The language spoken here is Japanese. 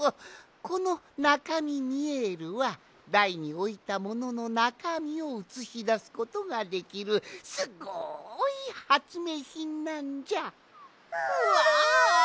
このナカミミエルはだいにおいたもののなかみをうつしだすことができるすごいはつめいひんなんじゃ。わ！